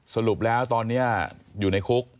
สรุปแล้วตอนนี้อยู่ในคุก